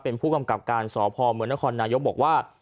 เป็นผู้กำกับการสพเมืองนครนายกบอกว่า